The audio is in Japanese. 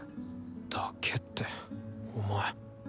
だけってお前。